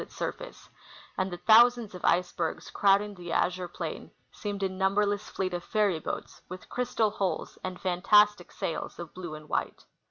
87 its surface, and the thousands of icebergs crowding the azure plain seemed a numberless fleet of fairy boats with crystal hulls and fantastic sails of blue and white.